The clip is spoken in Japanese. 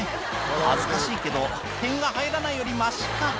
「恥ずかしいけど点が入らないよりマシか」